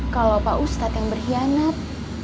kalau pak ustadz yang berkhianat